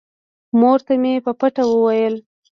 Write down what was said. مور ته مې په پټه وويل.